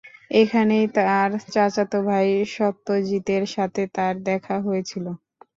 এখানেই তার চাচাতো ভাই সত্যজিতের সাথে তার দেখা হয়েছিল।